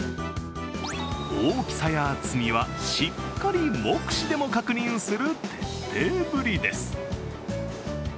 大きさや厚みは、しっかり目視でも確認する徹底ぶりです。